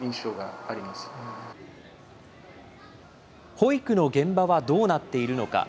保育の現場はどうなっているのか。